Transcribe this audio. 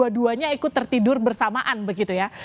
dua duanya ikut tertidur bersamaan begitu ya